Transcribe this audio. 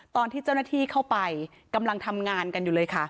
ตอนที่เจ้าหน้าที่เข้าไปกำลังทำงานกันอยู่เลยค่ะ